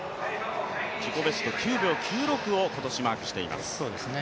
自己ベスト９秒９６を今年マークしています。